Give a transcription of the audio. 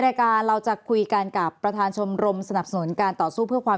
พฤษฐการณ์เราจะคุยกันกับประธานชมรมสนับสนุนการตอบสู้ความ